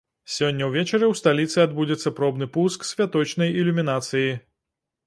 Сёння ўвечары ў сталіцы адбудзецца пробны пуск святочнай ілюмінацыі.